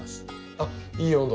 あっいい温度！